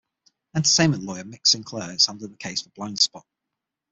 Entertainment lawyer Mick Sinclair is handling the case for Blindspott.